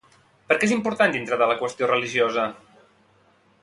Per què és important dintre de la qüestió religiosa?